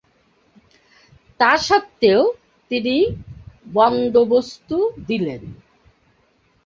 তা সত্ত্বেও তিনি বন্দোবস্ত দিলেন।